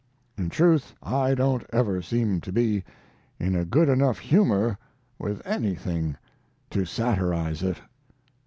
In truth I don't ever seem to be in a good enough humor with anything to satirize it.